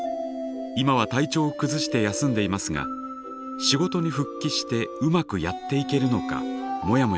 今は体調を崩して休んでいますが仕事に復帰してうまくやっていけるのかモヤモヤしています。